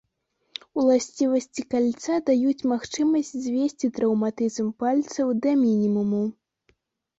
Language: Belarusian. Уласцівасці кальца даюць магчымасць звесці траўматызм пальцаў да мінімуму.